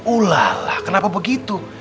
ulalah kenapa begitu